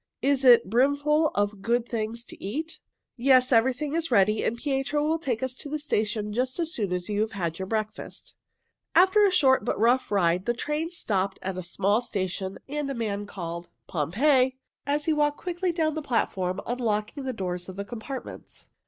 "Is it brimful of good things to eat?" "Yes, everything is ready, and Pietro will take us to the station just as soon as you have had your breakfast." After a short but very rough ride the train stopped at a small station, and a man called, "Pompeii!" as he walked quickly down the platform unlocking the doors of the compartments.